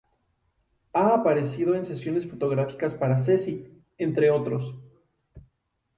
Ha aparecido en sesiones fotográficas para "CeCi", entre otros...